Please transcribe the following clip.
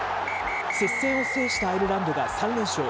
接戦を制したアイルランドが３連勝。